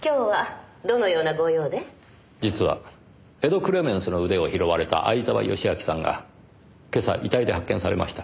実は『エド・クレメンスの腕』を拾われた相沢良明さんが今朝遺体で発見されました。